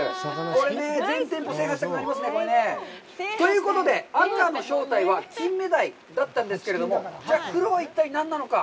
これね、全店舗、制覇したくなりますね。ということで、赤の正体はキンメダイだったんですけども、黒は一体何なのか。